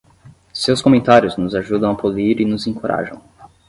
Seus comentários nos ajudam a polir e nos encorajam.